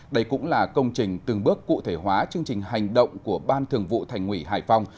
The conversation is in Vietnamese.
đây cũng là công trình từng bước cụ thể hóa chương trình hành động của ban thường vụ thành ủy hải phòng